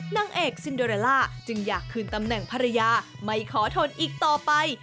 นางเอกซินเดอเรลล่าจึงอยากคืนตำแหน่งภรรยาไม่ขอทนอีกต่อไป